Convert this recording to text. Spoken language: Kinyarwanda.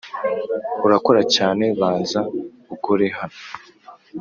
urakora cyane banza ukore hano